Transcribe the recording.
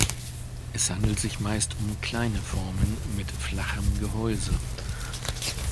Es handelt sich meist um kleine Formen mit flachem Gehäuse.